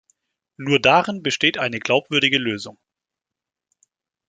Nur darin besteht eine glaubwürdige Lösung.